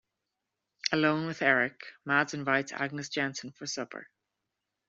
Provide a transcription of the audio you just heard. Alone with Erik, Mads invites Agnes Jensen for supper.